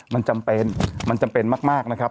มันจำเป็นมันจำเป็นมากนะครับ